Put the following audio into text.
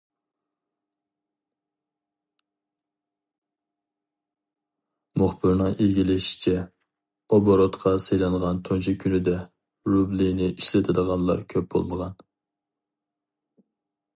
مۇخبىرنىڭ ئىگىلىشىچە، ئوبوروتقا سېلىنغان تۇنجى كۈنىدە، رۇبلىنى ئىشلىتىدىغانلار كۆپ بولمىغان.